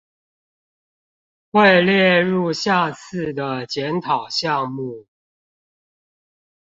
會列入下次的檢討項目